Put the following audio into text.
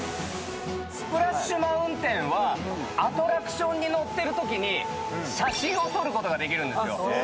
スプラッシュ・マウンテンはアトラクションに乗ってるときに写真を撮ることができるんですよ。